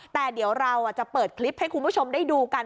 แต่เดี๋ยวเราจะเปิดคลิปให้คุณผู้ชมได้ดูกัน